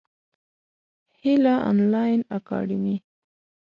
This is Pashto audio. هیله انلاین اکاډمي.